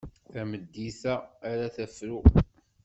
Tameddit-a ara tefru.